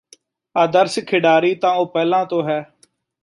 ਆਦਰਸ਼ ਖਿਡਾਰੀ ਤਾਂ ਉਹ ਪਹਿਲਾਂ ਤੋਂ ਹੈ